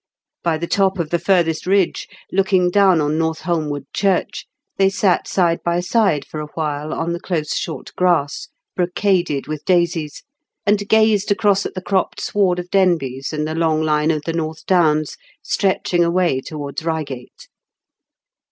By the top of the furthest ridge, looking down on North Holmwood church, they sat side by side for a while on the close short grass, brocaded with daisies, and gazed across at the cropped sward of Denbies and the long line of the North Downs stretching away towards Reigate.